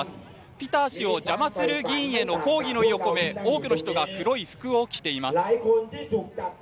ピター氏を邪魔する議員への抗議の意を込め多くの人が黒い服を着ています。